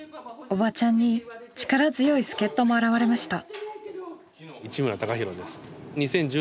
おばちゃんに力強い助っ人も現れました。